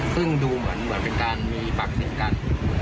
ซึ่งดูเหมือนเป็นการมีปากเสียงกัน